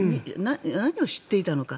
何を知っていたのか。